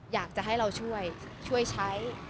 อยากจะให้เราช่วยใช้